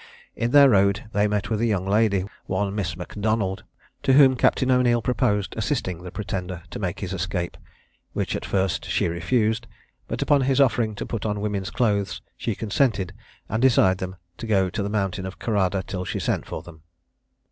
In their road they met with a young lady, one Miss M'Donald, to whom Captain O'Neil proposed assisting the Pretender to make his escape, which at first she refused; but, upon his offering to put on women's clothes, she consented, and desired them to go to the mountain of Currada till she sent for them.